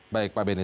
baik pak benny